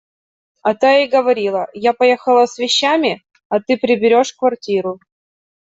А та ей говорила: – Я поехала с вещами, а ты приберешь квартиру.